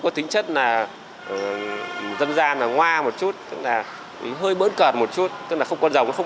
có tính chất là dân gian là ngoa một chút tức là hơi bỡn cợt một chút tức là con dòng nó không